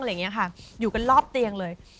อย่างนี้ค่ะอยู่กันรอบเตียงเลย